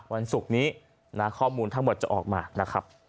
วันศุกร์นี้นะข้อมูลทั้งหมดจะออกมานะครับ